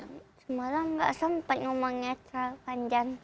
semalam gak sampai ngomongnya terlalu panjang